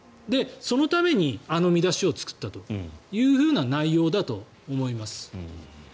そのために、あの見出しを作ったという内容だと思います。